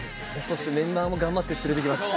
そしてメンバーも頑張って連れてきます